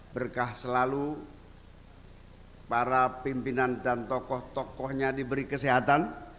berkah selalu para pimpinan dan tokoh tokohnya diberi kesehatan